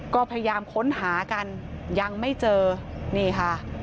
ก็พยายามค้นหากันยังไม่เจอนี่ค่ะ